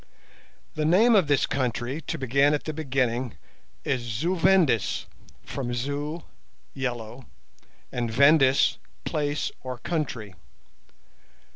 The name of this country, to begin at the beginning, is Zu Vendis, from Zu, "yellow", and Vendis, "place or country".